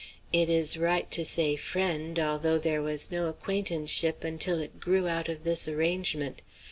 It is right to say friend, although there was no acquaintanceship until it grew out of this arrangement.